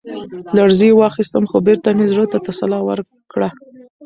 لـړزې واخيسـتم ، خـو بـېرته مـې زړه تـه تـسلا ورکړه.